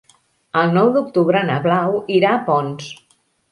El nou d'octubre na Blau irà a Ponts.